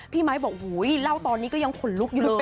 ไมค์บอกเล่าตอนนี้ก็ยังขนลุกอยู่เลย